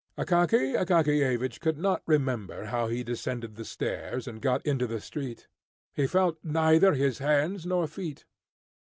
Akaky Akakiyevich could not remember how he descended the stairs, and got into the street. He felt neither his hands nor feet.